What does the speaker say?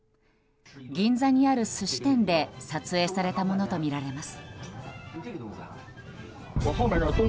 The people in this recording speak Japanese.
銀座にある寿司店で撮影されたものとみられます。